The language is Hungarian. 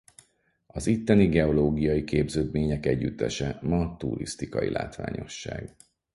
Az itteni geológiai képződmények együttese ma turisztikai látványosság.